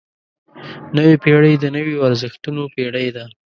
نوې پېړۍ د نویو ارزښتونو پېړۍ ده.